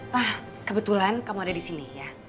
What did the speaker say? wah kebetulan kamu ada di sini ya